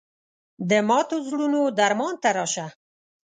د ماتو زړونو درمان ته راشه